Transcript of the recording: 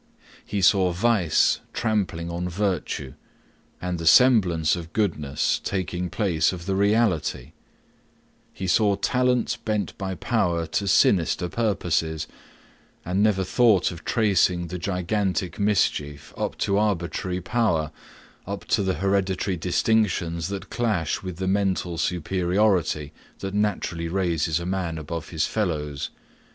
He saw vice trampling on virtue, and the semblance of goodness taking place of the reality; he saw talents bent by power to sinister purposes, and never thought of tracing the gigantic mischief up to arbitrary power, up to the hereditary distinctions that clash with the mental superiority that naturally raises a man above his fellows.